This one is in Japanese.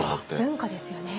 文化ですよね。